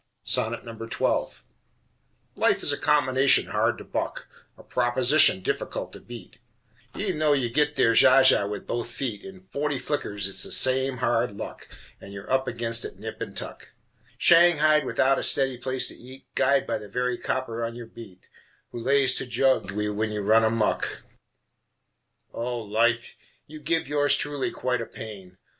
XII Life is a combination hard to buck, A proposition difficult to beat, E'en though you get there Zaza with both feet, In forty flickers, it's the same hard luck, And you are up against it nip and tuck, Shanghaied without a steady place to eat, Guyed by the very copper on your beat Who lays to jug you when you run amuck. O Life! you give Yours Truly quite a pain.